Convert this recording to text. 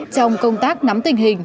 trong công tác nắm tình hình